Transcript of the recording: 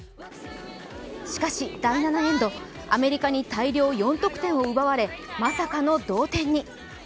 しかし、第７エンド、アメリカに大量４得点を奪われまさかの同点に。